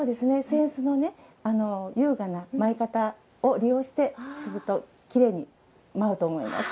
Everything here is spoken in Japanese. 扇子の優雅な舞い方を利用してするときれいに舞うと思います。